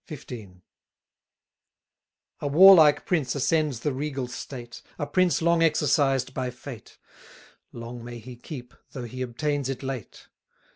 XV. A warlike prince ascends the regal state, A prince long exercised by fate: Long may he keep, though he obtains it late!